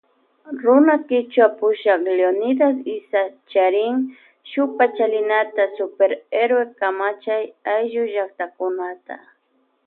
Runa kichwa pushak Leonidas Iza charin shuk pachalinata Super Héroe kamachay ayllu llaktakunata.